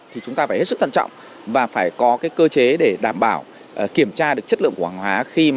thì chúng ta phải hết sức thân trọng và phải có cái cơ chế để đảm bảo kiểm tra được chất lượng quảng hóa